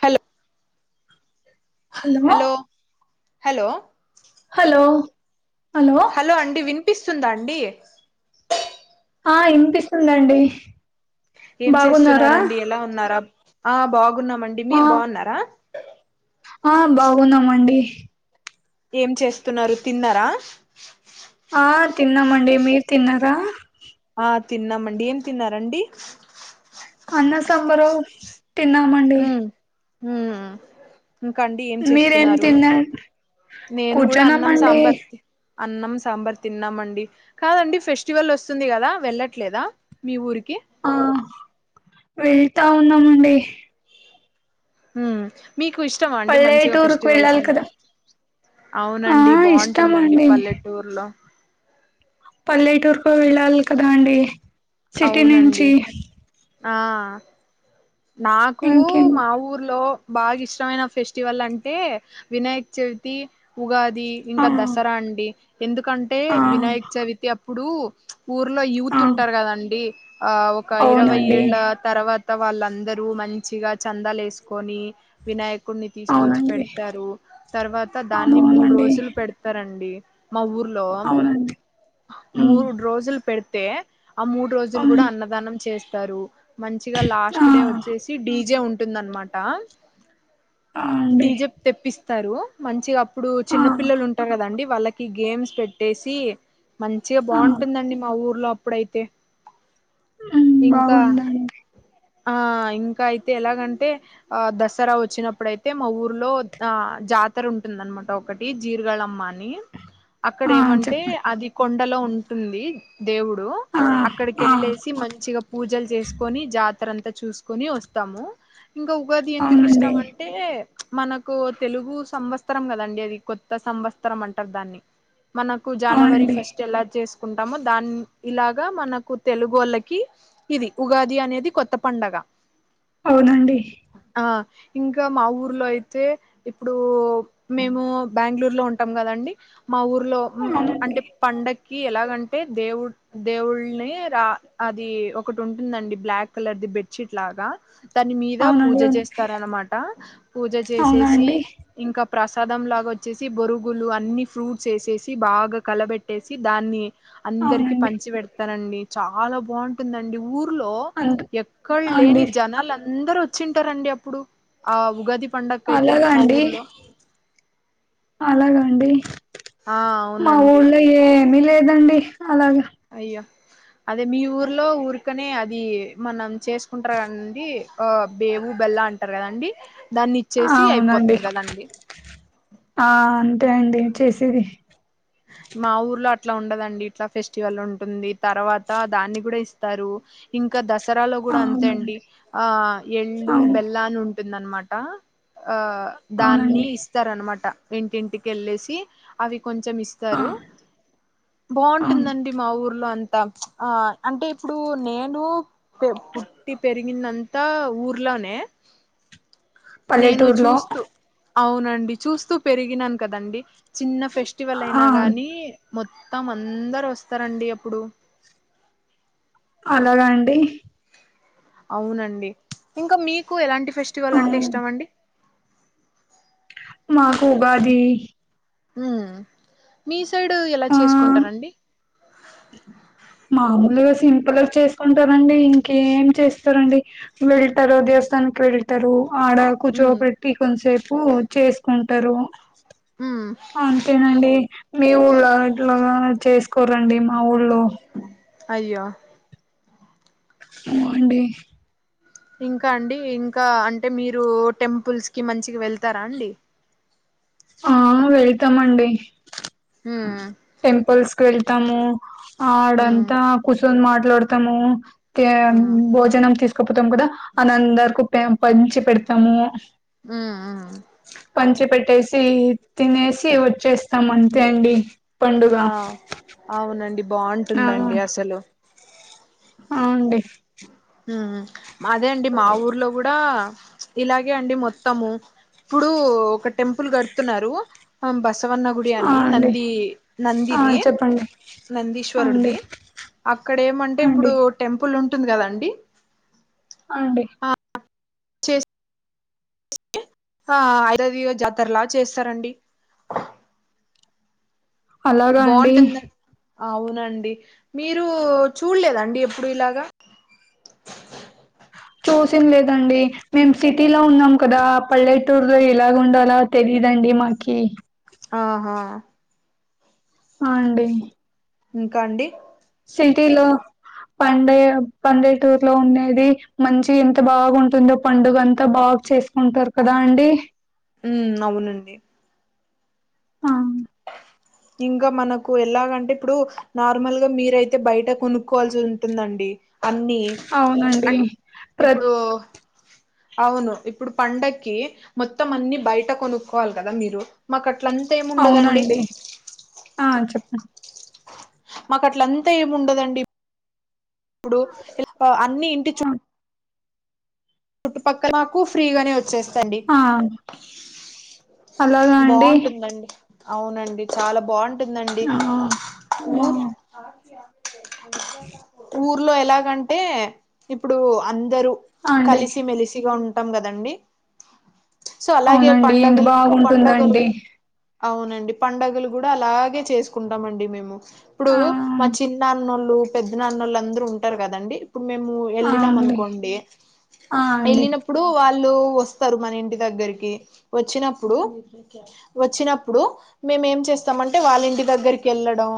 Hello hello hello hello hello hello అండి, విన్ వినిపిస్తుంద అండి. ఆ ఇనిపిస్తుందండి ఏం చేస్తున్నారు బాగున్నారా అండి ఎలా ఉన్నారు ఆ బాగున్నాం మండి ఆ మీర్ బాగున్నార ఆ బాగున్నామండి ఏం చేస్తున్నారు. తిన్నార? ఆ తిన్నమండి. మీర్ తిన్నార? తిన్నమండి. ఏం తిన్నారండి? అన్నం సాంబారొ తిన్నామండి ఊ హు ఇంక అండి ఏం మీరేం చేస్తున్నారు? తిన్నారు నేను గూడ అన్నం కూర్చున్నామండి సాంబార్ తిన్- అన్నం సాంబార్ తిన్నాం మండి. కాదండి ఫెస్టివల్ వస్తుంది గద? వెళ్ళట్లేద మీ ఊరికి- ఓకే ఆ వెళ్తా, ఉన్నామండి. ఊమ్ మీకు ఇష్టమా అండి, మంచిగ పల్లెటూరుకు ఫెస్టివల్స్ వెళ్ళాలి అంటె,, కదా ఆ ఔనండి ఇష్టం బావుంటందండి అండి పల్లెటూర్ లో పల్లెటూర్కు వెళ్ళాలి కద అండి. సిటి అవునండి నుంచి ఆ- నాకూ. ఇంకేం మా ఊర్లో బాగ్ ఇష్టమైన ఫెస్టివల్ అంటే వినాయక చవితి ఉగాది. ఉగాది ఇంక ఆ దసర అండి. ఎందుకంటె, ఆ వినాయక్ చవితి అప్ - ఇప్పుడు ఊర్లో యూత్ ఆ ఉంటార్ కదండి, ఆ ఒక ఇరవై అవునండి ఏళ్ళ తర్వాత్? అత్తవాల్లక్ అందరూ మంచిగ, చందాల్ యేసు కొని వినాయక కొన్ని తీసుకొచ్చి అవునండి పెడతారు. తర్వాత అవును దాన్ని మూడ్ అవునండి రోజులుపెడతరండి. మ ఊర్లో అవునండి ఉమ్ మూడ్ రోజుల్ పెడితె తే- ఆ మూడ్ రోజులు గూడ, అవునండి అన్నదానం చేస్ టరు హ హ్ మంచిగ లాస్ట్ ఆ చేసి డీజే ఉంటుందనమాట ఆ అండి డిజె తెప్పిస్ స్తారు మంచిగ ఇప్పుడు ఆ చిన్న పిల్లలు ఉంటారు కదండి వాళ్ళకి కి గేమ్స్ పెట్టేసి మంచిగ ఆ బాగుంటుందండి మా ఊర్లొ అప్పుడైతే ఇంకా బాగుందండి ఆ ఇంక అయితే ఎలాగంటే ఆ దసరా వచ్చినప్పుడయితే మా ఊర్లో ఆ జాతర ఉంటుందనమాట ఒకటి జీర్గాళమ్మ అని అక్కడ ఆ ఏమంటే చెప్పండి అది కొండ కొండలో ఉంటుంది దేవుడు ఆ ఆ అక్కడికెళ్ళేసి మంచిగ పూజలు చేసుకొని జా అంతా చూసుకొని వస్తాము ఇంకా ఉగాది ఎందుకు అవునండి ఇష్టం అంటే మనకు తెలుగు సంవత్సరం కదండి అది కొత్త సంవత్సరం అంటారు దాన్ని మనకు జనవరి అవునండి ఫస్ట్ ఎలా చేసు కుంటామో దాని ఇలాగా మనకు తెలుగోళ్ళకి ఇది ఉగాది అనేది కొ త్త పండగ అవునండి ఆ ఇంకా మా ఊర్లో అయితే ఇప్పుడు మేము బెంగళూరు లో ఉంటాం కదండి. మా ఊర్లో మ్ అవునండి అంటే పండక్ కి ఎలాగంటే దేవు దేవుళని రా అది ఒకటి ఉంటుందండి బ్లాక్ కలర్ ది బెడ్షీట్ లాగా దాని మీద పూజ అవునండి చేస్తారనమాట పూజ అవునా చేసేసి అండి ఇంకా ప్రసాదంలాగా వచ్చేసి బొరుగులు అన్ని ఫ్రూట్స్ వేసేసి బాగా కలబెట్టేసి దాన్ని అందరికి అవునండి పంచి వెడ తానండి చాలా బాగుంటుందండి ఊ ర్లో అంత ఆ అండి ఎక్కల్లేని జనాలు అం అందరు వచ్చింటారండి అప్పుడు ఆ ఉగాది పండక్ అయితే అలాగా అండి మాఊర్ లో అలాగా అండి ఆ మా అవునండి ఊళ్ళో ఏ మీ లేదండి అలాగ అయ్యో అదే మీ ఊర్లో ఊరికనే అది మనం చేసుకుంటార అండి బేవు బెల్ల అం టరు కదండి దాన్ని ఆ, ఇచ్చేసి అవునండి అయిపోతుంది కదండి. ఆ అంతే అండి చేసేది మా ఊర్లో అ అట్లా ఉండదండి ఇట్లా ఫెస్టివల్ ఉంటుంది. తర్వాత దాన్ని కూడా ఇస్తారు ఇంకా దస్ సరాలో ఆ, కూడా అంతే అండి అవునండి ఆ ఎల్ళ్ళు అవును బెల్లా అని ఉం టుంది అన్నమాట ఆ దాన్ని అవునండి ఇస్తారన్నమాట ఇంటింటికి వెళ్ళేసి అవి కొంచెం ఆ సరు అవును బాంటుందండి మా ఊర్లో అంత. తమ్ ఆ అంటే ఇప్పుడు నేను పె పుట్టి పెరిగిందంతా ఊర్లోనే. పల్లెటూర్లో. ఔనండి చూస్తూ పెరిగినాన్ కదండి. చిన్న ఆ ఫెస్టివలైనా గాని మొ తామందరొస్తరండి అప్పుడు. అలాగ అండి. ఔనండి ఇంక మీకు ఎలాంటి అవును ఫెస్టివలంటె ఇష్టమండి. మాకు ఉగాదీ. ఉమ్ మీ సైడు ఎల ఆ చేస్కుంటరండి. మామూల్గ సింపుల్గ చేస్కుంటారండి ఇంకేం చేస్తరండి వెళ్తరు దేవస్థాన్కి వెళ్తరు. ఆడ ఉమ్ కుచ్చోపెట్టి కొంత్సేపు చేస్కుం తరు. ఉమ్ అంతేనండీ మీ ఊళ్ళోగ ఇట్లాగా చేస్కోరండి మా ఊళ్ళో. అయ్యొ. మ్ అండి. ఇంక అండి ఇంక అంటె మీరు టెంపుల్స్కి మంచిగ వెళ్తారాండి. ఆ వెల్తమండి. ఉమ్. టెంపల్స్కు వెళ్ తము ఉమ్ ఆడంతా కుస్లోన్ మాట్ ట్లాడ్తము తేమ్ ఉమ్ భోజనం తీస్ కపొతం కద అనందర్ కుప్పే పంచి పెడ్తాము ఉమ్ ఉమ్ పంచి పెట్ టేసి తినేసి వచ్చేస్తామంతేండి. పండుగ బాంటుందండి అసలు. ఔండి. ఉమ్ మదేండి మా ఊర్లో గుడా ఇలాగే అండి మొత్తము ప్పుడు ఒక టెంపుల్ గడ్తున్నారు అమ్ బస్. తవన్న గుడి ఆ అని అండి నందీ ఆ నందిది చెప్పండి ఆ అండి నందీశ్వరుడ్ది అక్కడేమంటె ఆ అండి ఇప్పుడు టెంపులు. టుంద్ గదండి. అండి. చేస సి ఆ ఐదది జాతరలా చేస్తారండి అలాగా అండి బాగుంటుంద అవునండి మీరూ చూడలేదండి ఎప్పుడు ఇలాగ చూసిం లేదండి మేం సిటీలో ఉన్నాం కదా పల్లెటూరులో ఇలాగ ఉండాల తెలీదండి మాకి ఆహ హ అండి ఇంకా అండి సిటీలొ పండగా పల్లెటూర్లో ఉండేది మంచి ఎంత బాగుంటుందో పండుగ అంత బాగ చేసుకుంటారు కదా అండి ఉమ్ అవునండి ఆ ఇంక మనకు ఎలాగంటే ఇప్పుడు నార్మల్ గా మీరయితే బయట కొనుక్కోవాల్సి ఉంటుందండి అన్నీ అవునండి అం ప్ర ఇప్పుడు అవును ఇప్పుడు పండక్కి మొత్తం అన్ని బయట కొనుక్కోవాల్ కదా మీరు మాకట్ అట్లంతా ఏముండదండి అవునండి ఆ చెప్పండి మాకట్ల అంతా ఏమి ఉండదండి ఇప్పుడు ఇల అన్నిీ ఇంటి చుట్ చుట్టుపక్కల మాకు ఫ్రీగానే వచ్చేస్తా తండి ఆ అలాగా అండి బావుంటుందండి అవునండి చాల బాగుం ంటుందండి ఆ ఆ ఊర్ ఊర్ ఊర్లో ఎలాగంటే ఇప్పుడూ అందరు అండి కలిసి మెలిసిగ ఉం ఉంటం కదండి సో అలాగే అవునండి ఎంత పండగలు బాగున్ పండగలు టుందండి అవునండి పండగలు కూడ అలాగే చేసుకుంటామ అండి మేము ఇప్పుడు ఆ మా చిన్నా అన్నోళ్ళు పెద్ద నాన్న వాళ్ళు అందరు ఉంటారు కదండి ఇప్పుడు మేము ఆ వెళ్ళినాం అండి అనుకోండి ఆ అండి వెళ్ళినప్పుడు వాళ్ వాళ్ళు వస్తరు మన ఇంటి దగ్గరికి వచ్చిన ఇప్పుడు వచ్చినప్పుడు మేమేమ్ చేస్తామంటే వాళ్ళింటి దగ్గరికి వెళ్ళడం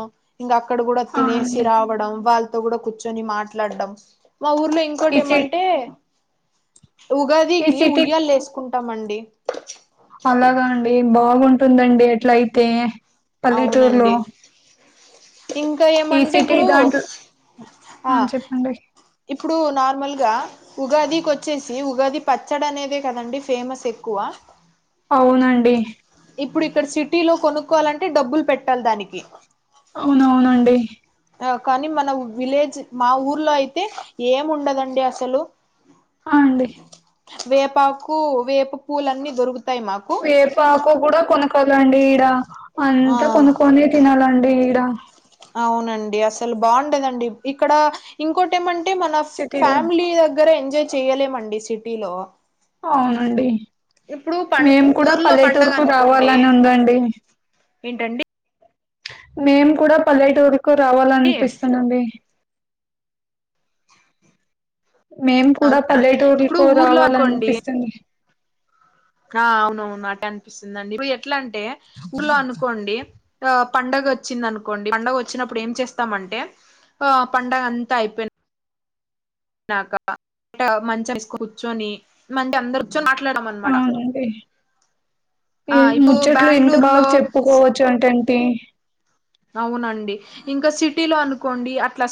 ఇంక అక్కడ కూడ ఆ తినేసి అండి రావడం వాళ్ళ తో కూడా కర్చొని మాట్లాడడం మా ఊర్లో ఇంకోటి ఈ సి ఏమంటే ఈ ఉగాదీకి సిటీ ఉయ్యల్లెసుకుంటామండి అలాగా అండి బా బాగుంటుందండి అట్లైతే పల్లెటూర్లో అవునండి ఇంకా ఈ ఏమంటే సిటీ ఇప్పుడు దాంట్లో అ చెప్పండి ఇప్పుడూ నార్మల్గా, ఉగాదీ కొచ్చేసి ఉగాది పచ్చడనేదే కదండి ఫేమస్ ఎక్కువ అవునండి ఇప్పుడిక్కడ సిటీ లో కొనుక్కోవాలంటే డబ్బులు పెట్టాల్దానికి అవునవునండి కానీ మన విలేజ్ మా ఊర్లో అయి తే ఏం ఉండదండి అసలు అవునండి వేపాకు వేప పూలన్నీ దొరుకు వేపాకు కూడ కొనుక్కొలండి ఈడ ఆ అంత కొనుక్కొనే తినాలండి ఈడ అవునండి అసలు బావుంటదండి ఇక్కడ ఇంకోటెమన్ టే మనఫ్ సిటీలో ఫ్యామిలీ గ్గర ఎంజాయ్ చేయలేమండి సిటీ లో అవునండి పం మేము కూడా ఊర్లో పండగ పల్లెటూరుకు అనుకోండి రావాలని ఉందండి ఏంటండి మేమ్ కూడా పల్లటఊర్ రావాలనిపిస్తనండి మేము కూడా అవునా ఇప్పుడు పల్లెటూరుకు ఊర్లో అనుకోండి రావాలనిపిస్తుంది ఆ అవునవునట స్తుందండి ఎట్లంటే ఊళ్ళో అనుకోండి ఆ పండగొచ్చిందనుకోండి పండగ వచ్చినప్పుడు ఏం చేస్తామంటే, ఆ పండుగ అంతా అయిపోయిన నాకబ్బ అంటే మంచిగ కూర్చోని మంచిగ అందరు కూర్చొని మాట్లాడమన్మాట అవునండి ఈ ముచ్చట్లు ఎంత బాగ లో చెప్పుకోవచ్చు అంటే అంటి అవునండి ఇంక సిటీలో అనుకోండి అట్ల